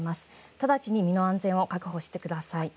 直ちに身の安全を確保してください。